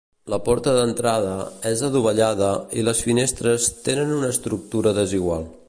La porta d'entrada és adovellada i les finestres tenen una estructura desigual.